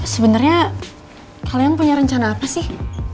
sebenarnya kalian punya rencana apa sih